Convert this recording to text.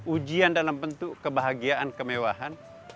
ujian dalam bentuk kebahagiaan kemewahan